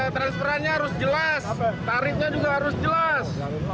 transferannya harus jelas tarifnya juga harus jelas